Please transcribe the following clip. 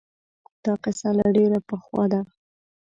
دا قصه له ډېر پخوا ده